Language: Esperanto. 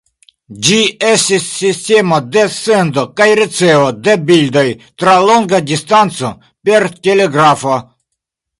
Ĝi estis sistemo de sendo kaj ricevo de bildoj tra longa distanco, per telegrafo.